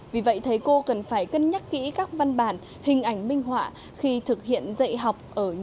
vì vậy thầy cô cần phải cân nhắc kỹ các văn bản hình ảnh minh họa khi thực hiện dạy học